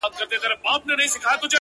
خو زه بيا داسي نه يم _